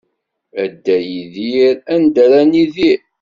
A Dda Yidir anda ara nidir?